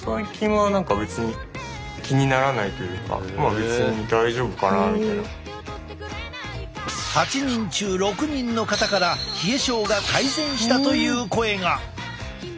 更に８人中６人の方から冷え症が改善したという声が！